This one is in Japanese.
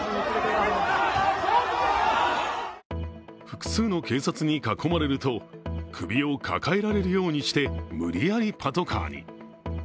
複数の警察に囲まれると首を抱えられるようにして無理やりパトカーに。